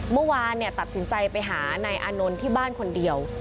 เมื่อวานตัดสินใจไปหานายอานนท์ที่บ้านคนเดียว